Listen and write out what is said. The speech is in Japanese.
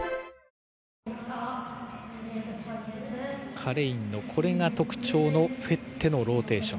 カレインのこれが特徴、フェッテのローテーション。